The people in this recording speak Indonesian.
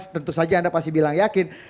tentu saja anda pasti bilang yakin